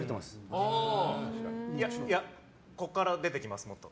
いや、ここから出て行きます、もっと。